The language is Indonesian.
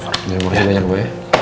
jangan berhasil tanya gue ya